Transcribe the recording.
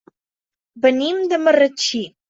Venim de Marratxí.